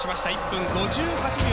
１分５８秒４６。